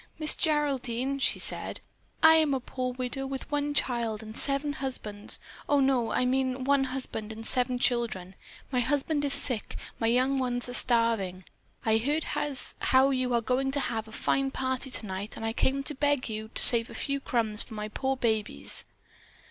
"Miss Geraldine," she said, "I am a poor widow with one child and seven husbands. Oh, no, I mean one husband and seven children. My husband is sick, my young ones are starving. I heard as how you were going to have a fine party tonight and I came to beg you to save a few crumbs for my poor babies."